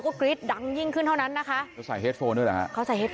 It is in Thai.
พ่อปู่ฤาษีเทพนรสิงค่ะมีเฮ็ดโฟนเหมือนเฮ็ดโฟนเหมือนเฮ็ดโฟน